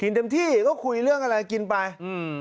เต็มที่ก็คุยเรื่องอะไรกินไปอืม